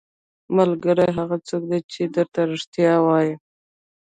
ملګری هغه څوک دی چې درته رښتیا وايي.